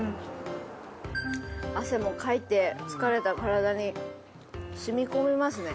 汗もかいて疲れた体に染み込みますね。